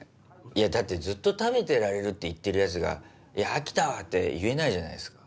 いやだってずっと食べてられるって言ってるヤツが「飽きたわ！」って言えないじゃないですか。